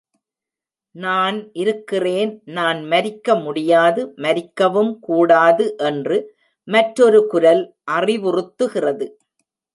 நான் இருக்கிறேன் நான் மரிக்க முடியாது மரிக்கவும் கூடாது என்று மற்றொரு குரல் அறிவுறுத்துகிறது.